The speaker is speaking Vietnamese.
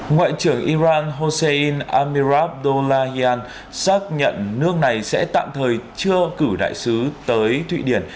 ngoại trưởng iran hossein amirabdollahian xác nhận nước này sẽ tạm thời chưa cử đại sứ tới thụy điển